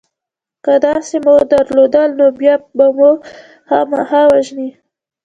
که داسې څه مو درلودل نو بیا به مو خامخا وژني